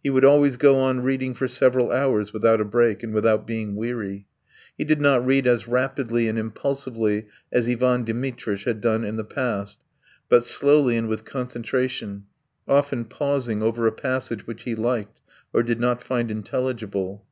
He would always go on reading for several hours without a break and without being weary. He did not read as rapidly and impulsively as Ivan Dmitritch had done in the past, but slowly and with concentration, often pausing over a passage which he liked or did not find intelligible.